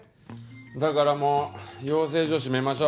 だからもう養成所閉めましょ。